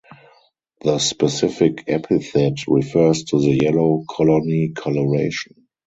The specific epithet refers to the yellow colony colouration.